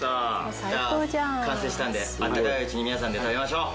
じゃあ完成したんであったかいうちに皆さんで食べましょう。